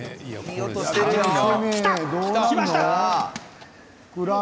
できました。